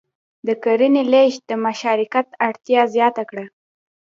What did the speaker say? د کرنې لېږد د مشارکت اړتیا زیاته کړه.